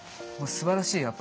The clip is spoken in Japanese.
すばらしい。